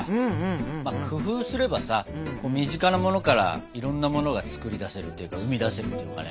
まあ工夫すればさ身近なものからいろんなものが作り出せるというか生み出せるというかね。